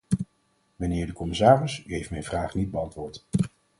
Mijnheer de commissaris, u heeft mijn vraag niet beantwoord.